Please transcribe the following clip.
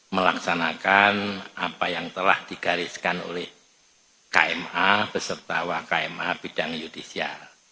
melaksanakan apa yang telah digariskan oleh kma beserta wak kma bidang judisial